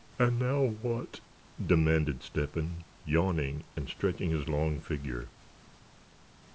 "And now what?" demanded Step hen, yawning, and stretching his long figure.